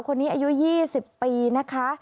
คนนี้อายุ๒๐ปีนะคะ